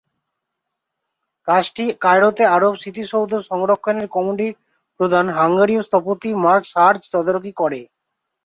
কাজটি কায়রোতে আরব স্মৃতিসৌধ সংরক্ষণের কমিটির প্রধান হাঙ্গেরীয় স্থপতি ম্যাক্স হার্জ তদারকি করে।